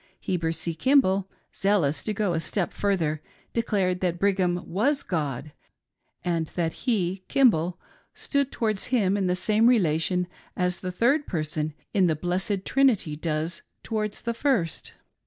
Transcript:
Heber C. Kimball, z^ous to go a step further declared that Brigham was " God," and that he, Kimball, stood towards him in the same relation as the Third Person in the Blessed Trinity does towards the First.